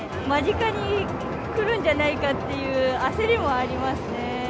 間近に来るんじゃないかっていう焦りもありますね。